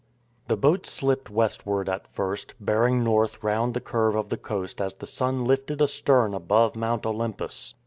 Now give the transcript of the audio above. The boat slipped westward at first, bearing north round the curve of the coast as the sun lifted astern above Mount Olympus.